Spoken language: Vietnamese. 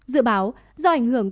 dự báo do ảnh hưởng